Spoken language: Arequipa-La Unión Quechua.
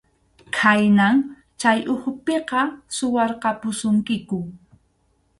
Khaynan chay ukhupiqa suwarqapusunkiku.